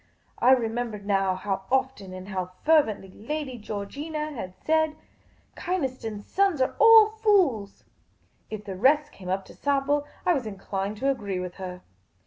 I remembered now how often and how fervently Lady Georgina had said, " Kynaston's sons are all fools." If the rest came up to sample, I was inclined to agree with her.